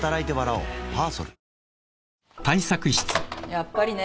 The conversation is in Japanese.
やっぱりね。